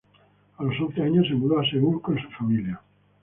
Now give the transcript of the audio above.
A los once años se mudó a Seúl con su familia.